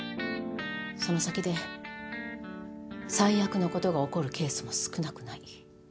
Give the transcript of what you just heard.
その先で最悪のことが起こるケースも少なくない。